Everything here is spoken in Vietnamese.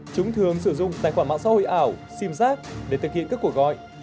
chúng thường sử dụng tài khoản mạng xã hội ảo simzack để thực hiện các cuộc gọi